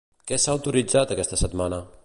Què s'ha autoritzat aquesta setmana?